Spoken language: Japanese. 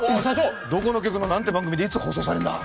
どこの局の何て番組でいつ放送されるんだ？